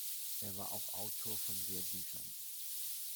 Er war auch Autor von Lehrbüchern.